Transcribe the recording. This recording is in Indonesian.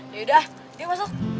yaudah yuk masuk